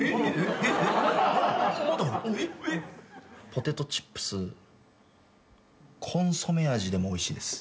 ポテトチップスコンソメ味でもおいしいです。